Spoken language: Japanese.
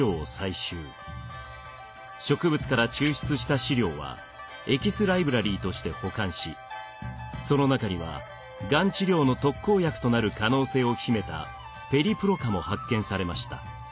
植物から抽出した試料はエキスライブラリーとして保管しその中にはがん治療の特効薬となる可能性を秘めたペリプロカも発見されました。